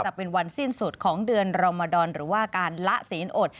จะเป็นวันสิ้นสุดของเดือนรมดรหรือว่าการละศีลอด